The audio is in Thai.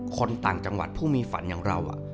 คนต่างจังหวัดผู้มีฝันอย่างเรา